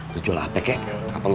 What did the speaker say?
lu jual apek ya apa lu